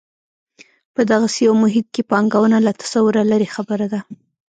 په دغسې یو محیط کې پانګونه له تصوره لرې خبره ده.